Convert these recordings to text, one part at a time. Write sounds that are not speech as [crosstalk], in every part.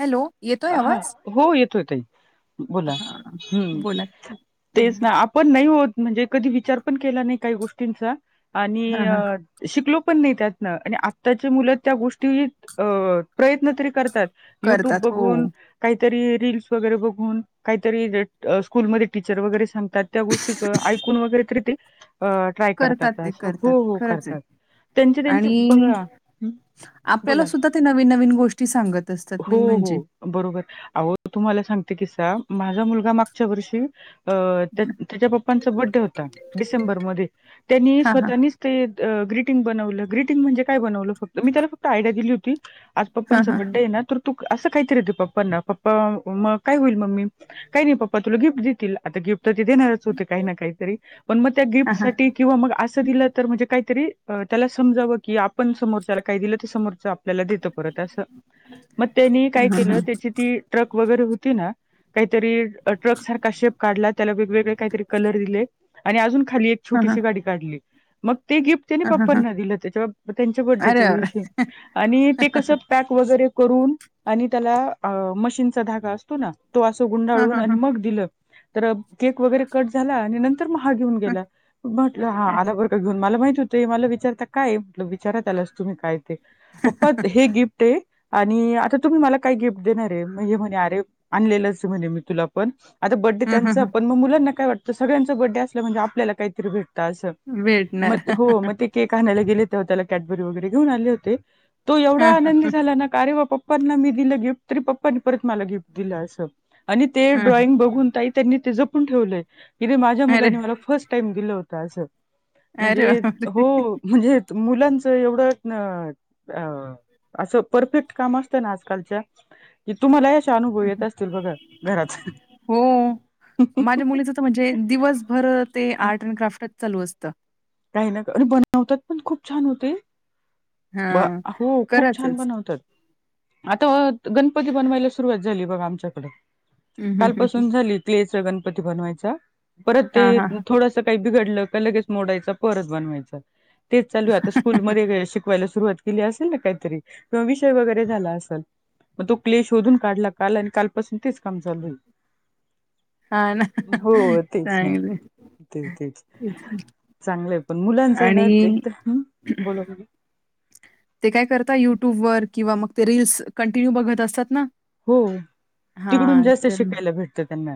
Hello, येतोय हा आवाज. हो येतोय ताई, बोला हां, हम्म.. बोला. तेच ना. पण नाही होत म्हणजे, कधी विचार पण केला नाही काही गोष्टींचा आणि. हां, हां, शिकलो पण नाही त्यातनं, आणि आत्ताची मुलं त्या गोष्टी अ.. प्रयत्न तरी करतात. करतात. हो, गून. काहीतरी रील्स वगैरे बघून, काहीतरी स्कूलमध्ये टीचर वगैरे सांगतात. त्या गोष्टी ऐकून वगैरे तरी ते, ट्राय करतात ते असं करतात. हो हो खरंच आहे करतात. त्यांचे त्यांचे आणि बघा. हम्म.. आपल्याला सुद्धा ते, नवीन नवीन गोष्टी सांगत असतात हो, मेन म्हणजे. हो. बरोबर अहो तुम्हाला सांगते किसा, माझा मुलगा मागच्या वर्षी. अ.. त्या त्याच्या पप्पांचा बर्डे होता, डिसेंबरमध्ये त्यांनी हां, हां, स्वतःनीच. ते ग्रीटीग बनवल. ग्रीटिंग म्हणजे काय बनवलं फक्त मी त्याला फक्त आयडिया दिली होती. हां, पप्पांचं हां, बड्डे आहे ना. तर तू असं काहीतर दे पप्पांना पप्पा मग काय होईल मम्मी, काही नाही पप्पा तुला गिफ्ट देतील. आता गिफ्ट तर ते देणारच होते काही ना काहीतरी पण मग त्या हां, हां, गिफ्टसाठी किंवा मग असं दिलं तर म्हणजे काहीतरी त्याला समजावं. की आपण समोरच्याला काही दिलं ते समोरच आपल्याला देतो परत असं. मग त्यानी काय केलं त्याची ती ट्रक वगैरे होती ना. काहीतरी ट्रकसारखा शेप काढाला त्याला वेगवेगळे काहीतरी कलर दिले. आणि अजून खाली हां, हां, छोटीशी गाडी काढली. मग ते गिफ् त्यानी हां, हां, पप्पांना दिलं. त्याच्या त्यांच्या अरे बर्थडेच्या हां, दिवशी आणि ते कस पॅक वगैरे करून आणि त्याला मशीनचा धागा असतो ना. तो असं हां, गुंडाळून आणि हां, मग दिलं. तर केक वगैरे कट झाला आणि नंतर मग हा घेऊन हां, गेला म्हटलं हा आला बर का घेऊन. मला माहित होत. हे मला विचारता काय आहे. म्हटलं विचारा त्याला तुम्ही काय आहे. ते पप्पा हे गिफ्ट आहे. आणि आता तुम्ही मला काय गिफ्ट देणार आहे. मग हे म्हणले अरे आणलेलंच म्हणे मी तुला पण आता बर्थडे हां, त्यांचा हां, पण मग मुलांना काय वाटतं. सगळ्यांच बर्थडे असलं म्हणजे आपल्याला काहीतरी भेट असतात. भेटणार. मग हो मग ते केक आणायला गेले. तेव्हा त्याला कॅडबरी वगैरे घेऊ आले होते. तो एवढा हां, आनंदी हां, झाला ना. अरे वा पप्पांना मी दिलं गिफ्ट तरी पप्पानी परत मला गिफ्ट दिलं असं. आणि ते हां, ड्रॉइंग बघून ताई त्यांनी ते जपून ठेवलंय. किे माझ्या अरे, मुलानी मला फर्स्ट गिफ्ट दिल होत अस. अरे म्हणजे हो बापरे! म्हणजे मुलचं चं एवढंच असं परफेक्ट काम असतं ना आजकालच्या कि तुम्हाला याचे अनुभव येत असतील बघा. घरात. हो, माझ्या मुलीचं म्हणजे दिवसभर ते आर्ट अँड क्राफ्टच चालू असत. काही ना तर असे बनवतात. पण खूप छान होते. हां, ब--हो खूप छान खरंचच. बनवतात. आता गणपती बनवायला सुरुवात झाली. बघा आमच्याकडे हं, हं, हं, हं, कालपासून झाली. क्ले चा गणपती बनवायचा. परत हां, हां, ते हां. थोडस काही बिघडलं का लगेच मोडायच. परत बनवायच तेच चालू आहे. आता स्कूलमध्ये काय शिकवायला सुरुवात केली असेल ना काहीतरी किंवा विषय वगैरे झाला असेल. मग तो क्ले शोधून काढला काल आणि कालपासून तेच काम चालू आहे. हा ना हो तेच ना. चांगलं तेच तेच. चांगलंय. पण मुलांचं आहे ना आणि एकदम बोला ते काय करता युट्यूब वर किंवा मग ते रील्स कंटिन्यू बघत असतात ना. हो, तिकडून हां, जास्त तर शिकायला भेटतं त्यांना,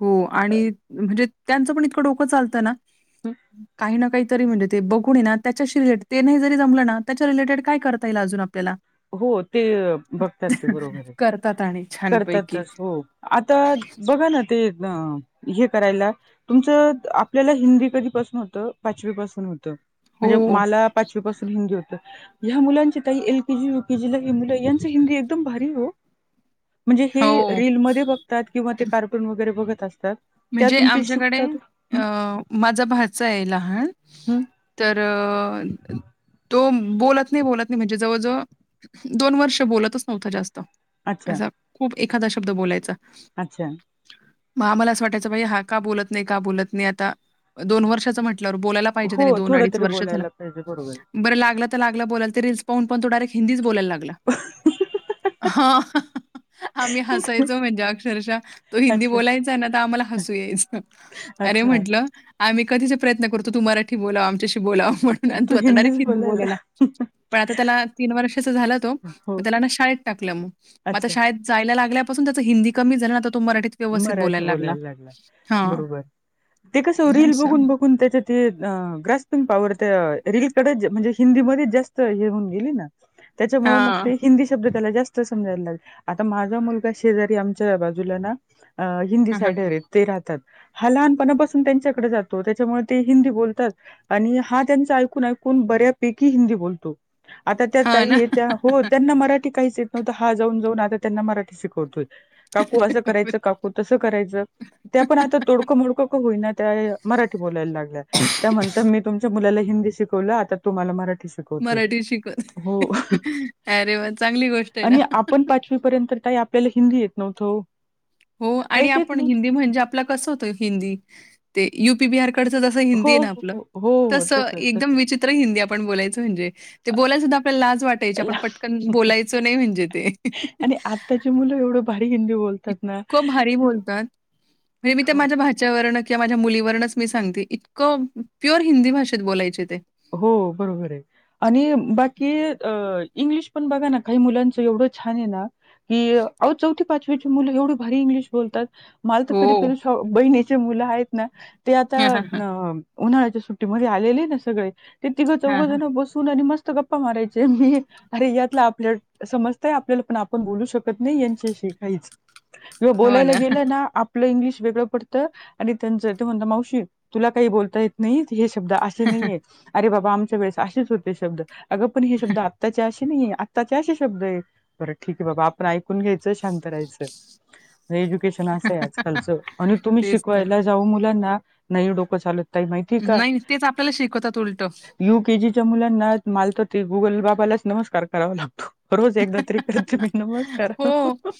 हो आणि म्हणजे त्यांचं पण इतकं डोकं चालतं ना. हं, काही ना काही तरी म्हणजे ते बघून आहे ना. त्याच्याशी रिलेटेड ते नाही जरी जमलं ना. त्याच्या रिलेटेड काय करता येईल अजून आपल्याला हो ते बघतात ब्लॉगर. करतात आणि छानपैकी. करतातच हो. आता बघा ना ते हे करायला. तुमचं आपल्याला हिंदी कधीपासून होतं? पाचवीपासून होतं. म्हणजे हो, मला पाचवी पासून हिंदी होत. ह्या मुलांची यू के जी ला हिंदी आहे. यांचं हिंदी एकदम भारी हो म्हणजे हे हो. रील मध्ये बघ किंवा ते कार्टन वगैरे बघत असतात. म्हणजे त्यातून ते आमच्याकडे शिकतात. हं अ माझा भाचा आहे. लहान, हं तर तो बोलत नाही. बोलत म्हणजे जवळजवळ दोन वर्ष बोलतच नव्हतं जास्त अच्छा असं. खूप एखादा शब्द बोलायचा. अच्छा मं आम्हांला सोंडेत बाई हां कां बोलतं नाहीं कां बोलतं नाहीं दोन वर्षाचा म्हटल्यांवर आंता बोलायंला बोलायंला पाहिजे आंता हो त्यांनी दोन थोडं अडीच तरी वर्ष झाला बोलायला पाहिजे बरोबर आहे. बरं लागलं तरं लागलां बलांय तरं रील पाहूंन पणं ते डारेट हिंदच बोलायला लागलां हं हं हां आम्हीं हसांयचो म्हणजे अक्षरशः तो हिंदी अच्छा बोलायंचा आहे नां तरं आम्हांला हसूं यायचं अरे अच्छा म्हटलं आम्हीं कधीचां प्रयंत्न करतों तूं मराठी बोलावं आमच्यांशी बोलावं म्हणूंन तू तूं आंताडायरेक्ट हिंदीच हिंदी बोलायंला बोलायला पणं आंता त्यांला तीनं वर्षाचा झांला तो हो मं त्यांला नां शाळेंत टाकलं मंग मंग आंता अच्छा शाळेंत जायंला लागल्यांपासून त्यांचं हिंदी कमी झालं नां आंता तो मराठीत व्यवस्थित मराठी बोलायला लागला. बोलायंला लागलां हां, बरोबर ते कसं रील असं. बघूंन बघूंन पणं त्यांच्या तं ग्रस्तांना प पावरत रीलकडे म्हणजे हिंदीमध्यें जास्तं हे होऊन गेली नां त्यांच्यामुळे मंग हां. ते हिंदी शब्दं त्यांला जास्तं समजायंला लागेल आंता माझां मुलंगा शेजारी आमच्यां बाजूंला नां अं हिंदी हां, हां. साईडर ते राहतांत हां लहांनपणांपासून त्यांच्याकडे जातो त्यांच्यामुळे ते हिंदी बोलतांत आणि हां त्यांच ऐकूंन ऐकूंन बऱ्यापैकी हिंदी बोलतो आंता त्यां हां ना. ताई त्यां हो त्यांना मराठी कांहीं येतं नव्हतं हां जाऊंन जाऊंन आंता त्यांना मराठी शिकवतो कांकू अरे असं बापरे! करायचं कांकू तसं करायचं त्यां पणं आंता तोडकं मोडकं कां होईना त्यां मराठी बोलायंला लागल्यां त्यानंतर मी तुमच्यां मुलांला हिंदी शिकवलं आंता तो मलां मराठी शिकवतो मराठी शिकवते. हो अरे वाह! चांगली गोष्ट आहे आणि आपलं ना. पणं पांचवीपर्यंत कांहीं आपल्यांला हिंदी येतं नव्हतं हो आणि काहीच येत आपणं नव्हतं हिन्दी म्हणजे आपलां कसं होतं हिन्दी ते युपी बिहारी डचं जसं हो हिन्दी आहे नां आपलं हो हो हो तसं एकदंम तसं. विचित्र हिन्दी आपणं बोलायचं म्हणजे ते बोलायंला सुद्धां आपल्यांला लांज वाटायची आपणं पटकंन बोलायचं नाहीं म्हणजे ते आणि आंत्ताची मुलं एवढं भारी हिन्दी बोलतात ना खूंप भारी बोलतांत म्हणजे मी तरं माझ्यां भाच्यांवरण किंवा माझ्यां मुलीवरूंनच मी सांगते इतकं फ्युवर हिन्दी भाषेत बोलायचे ते हो बरोबर आहे आणि बाकी अं इंग्लिश पणं बघां नां कांहीं मुलांचं एवढं छान आहे नां की अंहो चौथी पांचवीची मुलं एवढी भारी इंग्लिश बोलतात मंला तरं कधीं हो. कधीं बहिणीचे मुलं आहेतं नां ते आंता हां, हां, हां. अं उन्हाळ्यांच्या सुट्टीमध्यें आलेले नां सगळें ते तिघं हां, हां. चौघंजणं बसूंन आणि मस्तं ते गप्पां मारांयचे मी अरे यांतला आपल्यां समजतांय आपल्यांला पणं आपणं बोलूं शकतं नाहीं यांच्याशी काहींचं किंवा हो बोलायंला ना. गेलो नां आप आपलं इंग्लिश वेगळं पडतं आणि त्यांचं ते म्हणंता मावशी तुलां कांहीं बोलतां येतं नाहीं हे शब्दं असे नाहीये अरे बाबां आमच्यां वेळेस असेच होते शब्दं अगं पणं हे शब्दं आत्तांच्या अशी नाहीं आहे आत्तांच्या अशीे शब्दं आहे बरं ठीक आहे बाबां आपणं ऐकूंन घेतं अयकू घ्यायचं आणि शांत रहायचं एज्युकेशन असं आहे आंता तुम्हीं तेच तर. शिकवायला जाऊं मुलांना डोकं चालतं नाहीं तेचं आपल्यांला शिकवतांत उलटं यूं के जीच्यां मुलांना मालतो ते गुगल बाबालांच नमस्कांर करावा लागतो बचं एकदाचं तरी प्राथमिक नमस्कांर हो. करतो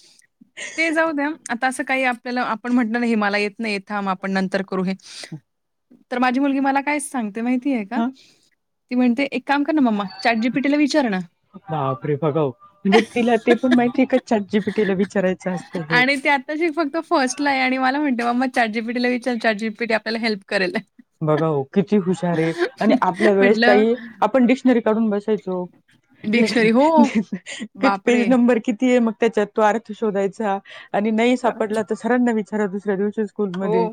ते जाऊ द्या. आता असं काही आपल्याला आपण म्हटलं ना हे मला येत नाही ये थांब आपण नंतर करू हे. तर माझी मुलगी मला काय सांगते माहिती आहे का, हा ती म्हणते एक काम कर ना मम्मा चाट जीपिटीला विचार ना. बापरे बघा ओ म्हणजे तिला ते पण माहिती आहे का चाट जीपीटीला विचारायचं असतं हे. तशी फक्त फर्स्ट ला आहे आणि मला म्हनते मम्मा चाटजीपीटीला विचार चाटजीपीटी आपला हेल्प करेल. बघा ओ किती हुशार हे, आणि आपल्या वेळेस म्हटलं ताई आपण डिक्शनरी काढून बस डिक्शनरी हो, ते पेज बापरे! नंबर किती हे मग त्याच्यात तो अर्थ शोधायचा आणि नही बापरे! सापडला तर सरांना विचारा दुसऱ्या दिवशीच. हो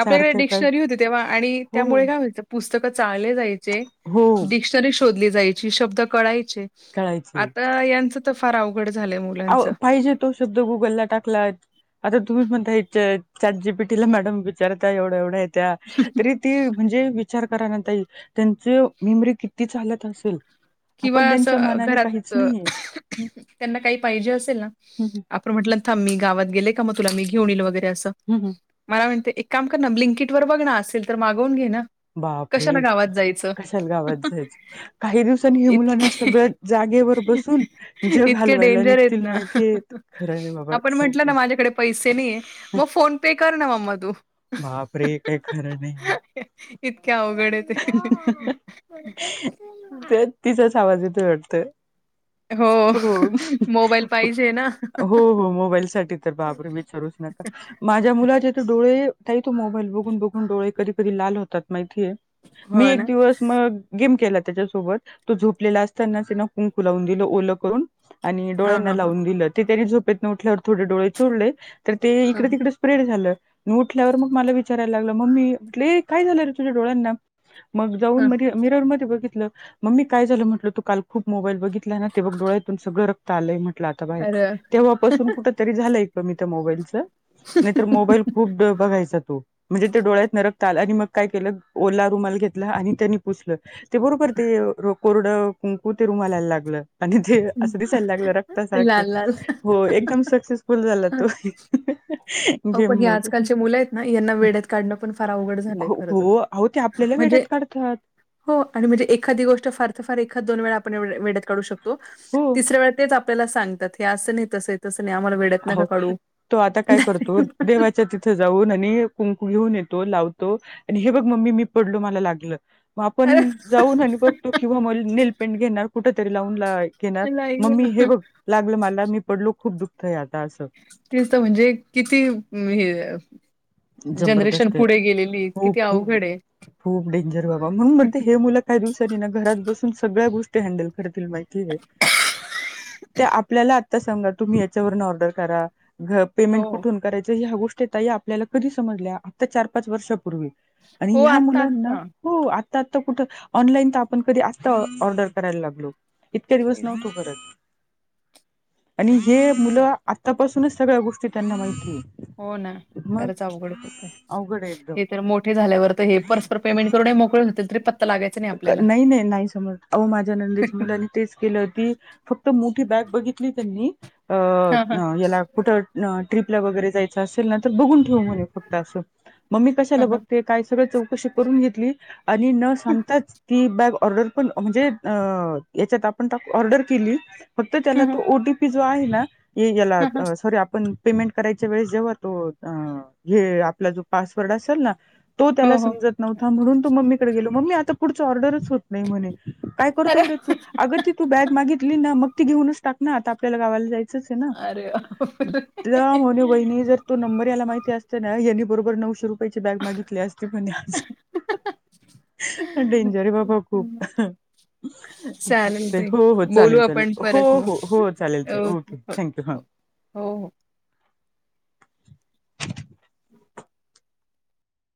आपल्याकडे डिक्शनरी होती तेव्हा आणि हो, त्यामुळे काय व्हायचं पुस्तकं चाळले जायचे, हो. डिक्शनरी शोधली जायची शब्द कळायचे. कळायचे. आता यांचं त फार अवघड झालंय मुलांच. आव पाहिजे तो शब्द गुगलला टाकलाय. आता तुम्हीच म्हणता हे च चाटजिपिटीला मॅडम विचारताय एवढ्या-एवढ्या त्या तरी ती म्हणजे विचार करानाही ताई त्यांचे मेमरी किती चालत असेल. किंवा आपण असं त्यांच्या अ, मानाने काहीच घरात अ, नाहीे ये. त्यांना काही पाहिजे असेल ना हूं हूं! आपण म्हटलं थांब मी गावात गेले का मं तुला मी घेऊन यील वगैरे असं. हूं हूं! माला म्हणते एक काम कर ना ब्लीकिट वर बघना असेल तर मागवून घे ना. बापरे कशाला गावात जायचं. कशाला गावात जायचं काही दिव सानी हे मुलना इतके सगळ जागेवर बसून जग इतके हालवायला डेंजर आहेत निघतील ना. माहितीय. खराय ये बाबा आपण म्हटलं ना [unintelligible] माझ्याकडे पैसे नहीये म फोन पे कर ना मम्मा तू. बापरे काय खरं नाहीय. इतके अवघड ते. तर तिचाच आवाज येतो वाटतं. हो. मोबाईल हो पाहिजे ना. हो हो मोबाईल साठी तर बापरे विचारूच नका. माझ्या मुलाचे त डोळे ताई तो मोबाईल बघून-बघून डोळे कधी-कधी लाल होतात माहितीय. हो मी एक ना दिवस मग गेम केला त्याच्यासोबत तो झोपलेला असताना हेना कुंकू लावून दिलं ओल करून. आणि हा डोळ्यांना हा हा लावून दिलं ते त्यानी झोपेतन उठल्यावर थोडे डोळे चोडले तर ते ह इकडे तिकडे. स्प्रेड झालं उठल्यावर मग माला विचारायला लागला मम्मी, म्हटले ये काय झालं रे तुझ्या डोळ्यांना. मग जाऊन ह म मिरवर मध्ये बघितलं मम्मी काय झालं म्हटलं तू काल खूप मोबाईल बघितला ना. ते बग डोळ्यातून सगळं रक्त आलंय म्हटलं आता बाहेर, अरे वाह! तेव्हापासून कुठ तरी झालंय कमी त्या मोबाईलच. नाही तर मोबाईल खूप द बघायचा तो म्हणजे ते डोळ्यात न रक्त आल आणि मग काय केलं ओला रुमाला घेतला आणि त्यानी पुसलं ते बरोबर ते कोरडं कुंकू ते रुमालाला लागलं,. आणि ते असं दिसायला लागलं रक्तासारख लाल लाल हो एकदम सक्सेस. फुल झाला तो ही! अवो पण हे आजकालचे मुलं आहेत ना, यांना वेड्यात काढणं पण फार अवघड झालंय. हो खरं तर हो अहो ते आपल्याला म्हणजे वेड्यात काढतात. हो आणि म्हणजे एखादी गोष्ट फार तर फार एखाद दोन वेळा आपण वेड्यात काढू शक तो हो तिसऱ्या वेळेस तेच आपल्याला सांगतात हे असं नाही तसं ये तसं नाही आम्हाला वेड्यात अहो नका काढू. तो आता काय करतो देवाच्या तिथे जाऊन आणि कुंकू घेऊन येतो लावतो आणि हे बघ मम्मी मी पडलो मला लागलं मग अरे आपण जाऊन आणि बघतो किंवा मग नेल पेंट घेणार कुठ तरी लावून ला घेणार नाही गं. मम्मी हे बघ लागलं मला मी पडलो खूप दुखतय आता असं तेच म्हणजे किती हे जनरेशन जबरदस्त आहे. पुढे गेलेलीये खूप किती खूप अवघड आहे खूप डेंजर बाबा म्हणून म्हणते हे मुलं काही दिवसांनी ना घरात बसून सगळ्या गोष्टी हँडल करतील माहिती काय ते आपल्याला ता सांगा तुम्ही ह्याच्यावरून ऑर्डर करा घ पेमेंट हो, कुठून करायचं ह्या गोष्टीे ताई आप आपल्याला कधी समजल्या आता चार पाच वर्षापूर्वी आणि हो. ह्या आत्ता, मुलांना आत्ता. हो आत्ता आत्ता कुठं ऑनलाईन तर आपण कधी आत्ता ऑर्डर करायला लागलो इतक्या दिवस तेच, नव्हतो तेच. करत आणि तेच. हे मुलं आतापासूनच सगळ्या गोष्टी त्यांना माहिती आहे हो ना खरच अवघड होतंय अवघड आहे एकदम हे तर मोठे झाल्यावर तर हे परस्पर पेमेंट करून मोकळे होतील तरी पत नाही नाही नाही समज अहो माझ्या नंदेच्या मुलाने तेच केलं ती फक्त मोठी बॅग बघितली त्यांनी अ हां, हां. याला कुठं ट्रिपला वगैरे जायचं असेल न तर बघून ठेव म्हणे फक्त असं मम्मी कशाला हां, हां. बघते का सगळं चौकशी करून घेतली आणि न सां ती बॅग ऑर्डर पण म्हणजे अ याच्यात आपण टाकू ऑर्डर केली फक्त त्याला हां, हां. तो ओ टी पी जो आहे ना याला हां, हां. सॉरी आपण पेमेंट करायच्या वेळेस जेव्हा तो हे आपला जो पासवर्ड असेल ना तो त्याला हो, हो. समजत नव्हता म्हणून तो मम्मीकडे गेला मम्मी आता पुढचा ऑर्डरच होत नाही म्हणे काय करतय अरे रे तू? अगं ती तू बॅग मागितली ना मग ती घेऊनच टाक ना आता आपल्याला गावायला जायच चंच हे ना अरे बापरे! म्हणे वहिणी जर तो नंबर याला माहिती असते ना यानी बरोबर नऊशे रुपयाची बॅग मागितली असती म्हणे आज डेंजर आहे बाबा खूप चालेल ते ताई. हो हो बोलू चालेल चालेल आपण हो परत मग. हो हो चालेल ताई ओके. ओके हो, थँक्यू ह हो. हो हो [inaudible]